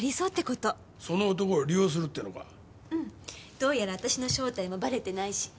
どうやら私の正体もばれてないし。